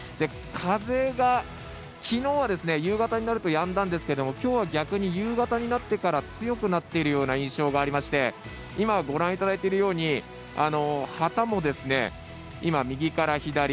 風が、きのうは夕方になるとやんだんですけどきょうは逆に夕方になってから強くなっているような印象がありまして今、ご覧いただいているように旗も右から左。